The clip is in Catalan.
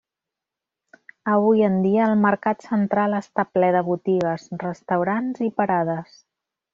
Avui en dia el mercat central està ple de botigues, restaurants i parades.